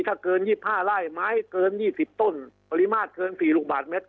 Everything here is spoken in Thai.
ถ้าเกินยี่พ้าไล่ไม้เกินยี่สิบต้นปริมาตรเกินสี่ลูกบาทเมตร